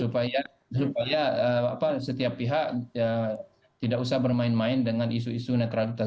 supaya setiap pihak tidak usah bermain main dengan isu isu netralitas